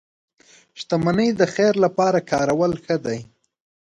• شتمني د خیر لپاره کارول ښه دي.